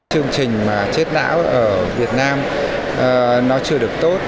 chương trình mà chết não ở việt nam nó chưa được tốt